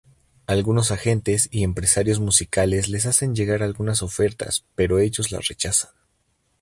Algunos agentes y empresarios musicales les hacen llegar algunas ofertas, pero ellos las rechazan.